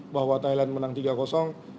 bahwa thailand menang tiga